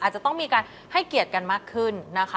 อาจจะต้องมีการให้เกียรติกันมากขึ้นนะคะ